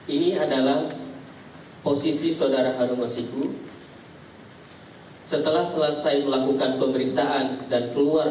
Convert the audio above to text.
ini adalah posisi saudara harun masiku setelah selesai melakukan pemeriksaan dan keluar